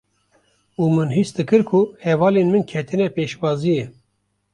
û min hîs dikir ku hevalên min ketine pêşbaziyê;